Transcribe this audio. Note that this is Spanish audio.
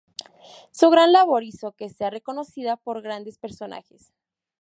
Su gran labor hizo que sea reconocida por grandes personajes.